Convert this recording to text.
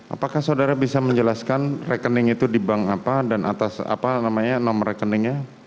apakah saudara bisa menjelaskan rekening itu di bank apa dan atas apa namanya nomor rekeningnya